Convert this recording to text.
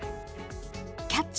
「キャッチ！